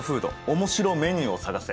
面白メニューを探せ！」